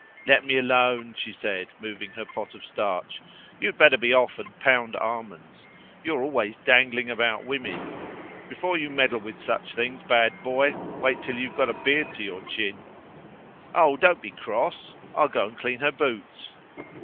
"Let me alone," she said, moving her pot of starch. "You'd better be off and pound almonds; you are always dangling about women. Before you meddle with such things, bad boy, wait till you've got a beard to your chin." "Oh, don't be cross! I'll go and clean her boots."